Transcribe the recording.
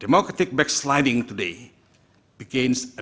demokrasi yang berkeliling ke belakang hari ini